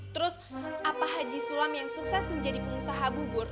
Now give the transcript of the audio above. terus apa haji sulam yang sukses menjadi pengusaha bubur